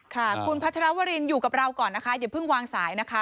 ค่ะคุณพัชรวรินอยู่กับเราก่อนนะคะอย่าเพิ่งวางสายนะคะ